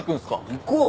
行こう！